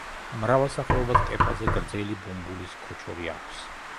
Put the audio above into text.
მრავალ სახეობას კეფაზე გრძელი ბუმბულის „ქოჩორი“ აქვს.